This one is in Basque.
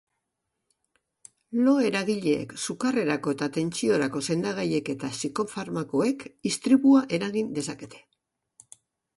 Lo-eragileek, sukarrerako eta tentsiorako sendagaiek eta psikofarmakoek istripua eragin dezakete.